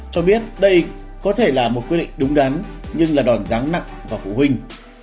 cho biết đây có thể là một quyết định đúng đắn nhưng là đòn ráng nặng vào phụ huynh